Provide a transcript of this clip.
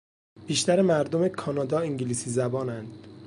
بیشتر مردم کانادا انگلیسی زبانند.